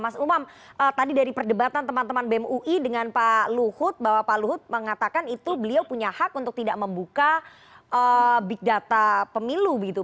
mas umam tadi dari perdebatan teman teman bem ui dengan pak luhut bahwa pak luhut mengatakan itu beliau punya hak untuk tidak membuka big data pemilu begitu